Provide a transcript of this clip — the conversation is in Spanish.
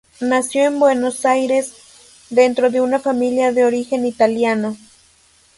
Nació en Buenos Aires dentro de una familia de origen italiano.